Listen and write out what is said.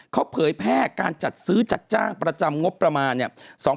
เขาเผยแพร่การจัดซื้อจัดจ้างประจำงบประมาณเนี่ย